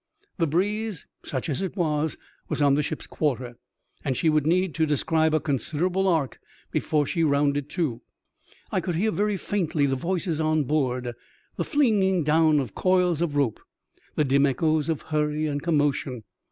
The breeze — such as it was — was on the ship's quarter, and she would need to describe a considerable arc before she rounded to. I could hear very faintly the voices on board, the flinging down of coils of rope, the dim echoes of hurry and commotion.